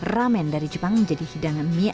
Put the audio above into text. ramen dari jepang menjadi hidangan mie